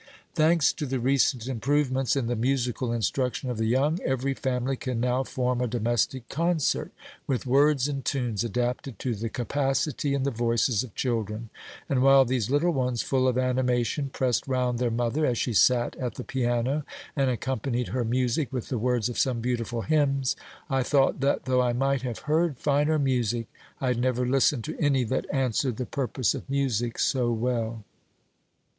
Thanks to the recent improvements in the musical instruction of the young, every family can now form a domestic concert, with words and tunes adapted to the capacity and the voices of children; and while these little ones, full of animation, pressed round their mother as she sat at the piano, and accompanied her music with the words of some beautiful hymns, I thought that, though I might have heard finer music, I had never listened to any that answered the purpose of music so well.